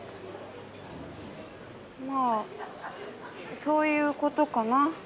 まあそういうことかな